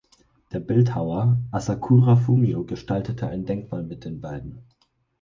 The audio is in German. Der Bildhauer Asakura Fumio gestaltete ein Denkmal mit den beiden.